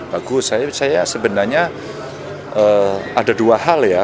bagus saya sebenarnya ada dua hal ya